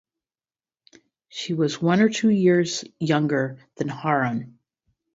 She was one or two years younger than Harun.